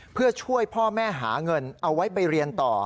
เพื่อช่วยพ่อแม่หาเงินเอาไว้ไปเรียนต่อ